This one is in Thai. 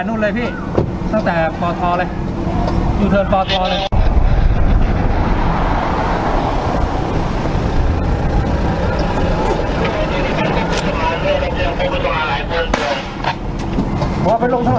เมื่อเวลาอันดับสุดท้ายมันกลายเป็นภูมิที่สุดท้าย